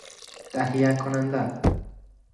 تهیه کننده